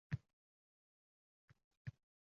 Cho’p keltirib tashlasin».